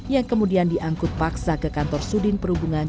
yang kemudian diangkut paksa ke kantor sudin perhubungan